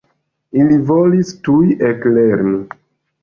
Ili volis tuj eklerni.